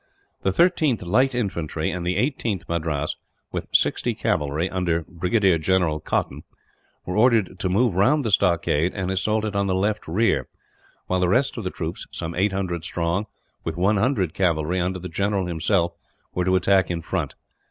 The 13th Light Infantry and the 18th Madras, with 60 cavalry, under Brigadier General Cotton, were ordered to move round the stockade and assault it on the left rear; while the rest of the troops, some 800 strong, with 100 cavalry under the general himself, were to attack in front.